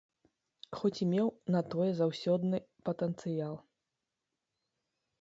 Хоць і меў на тое заўсёдны патэнцыял.